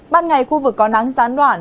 ban ngày khu vực có nắng gián đoạn